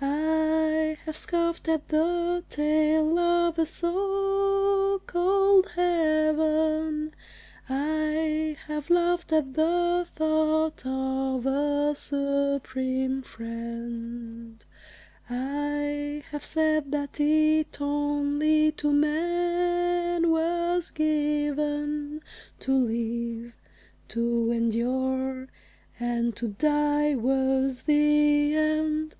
I have scoffed at the tale of a so called heaven; I have laughed at the thought of a Supreme Friend; I have said that it only to man was given To live, to endure; and to die was the end.